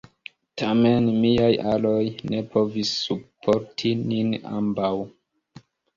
Tamen, miaj aloj ne povis subporti nin ambaŭ.